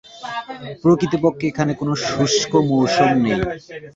প্রকৃতপক্ষে এখানে কোনো শুষ্ক মৌসুম নেই।